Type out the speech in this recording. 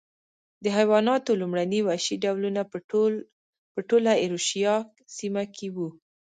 د حیواناتو لومړني وحشي ډولونه په ټوله ایرویشیا سیمه کې و.